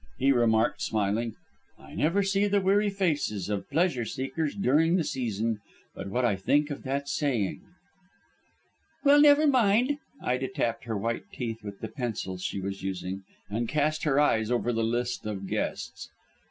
he remarked, smiling. "I never see the weary faces of pleasure seekers during the season but what I think of that saying." "Well, never mind." Ida tapped her white teeth with the pencil she was using, and cast her eyes over the list of guests.